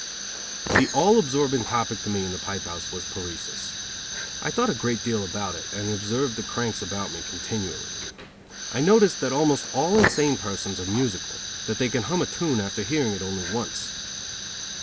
The all absorbing topic to me in the pipe house was paresis. I thought a great deal about it, and observed the cranks about me continually. I noticed that almost all insane persons are musical, that they can hum a tune after hearing it only once.